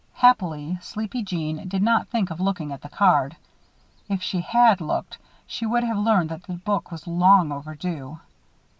Happily, sleepy Jeanne did not think of looking at the card. If she had looked, she would have learned that the book was long overdue.